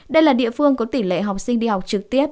đây là địa phương có tỷ lệ học sinh đi học trực tiếp